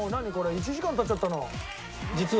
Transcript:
１時間経っちゃったんだ。